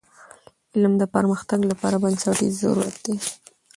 علم د پرمختګ لپاره بنسټیز ضرورت دی.